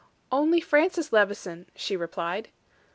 "Only Francis Levison," she replied.